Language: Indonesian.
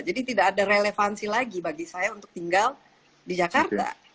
jadi tidak ada relevansi lagi bagi saya untuk tinggal di jakarta